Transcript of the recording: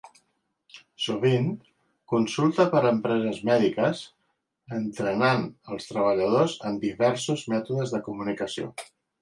Sovint consulta per empreses mèdiques, entrenant els treballadors en diversos mètodes de comunicació.